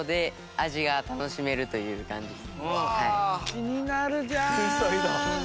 気になるじゃん！